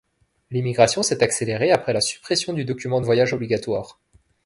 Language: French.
L’immigration s’est accélérée après la suppression du document de voyage obligatoire.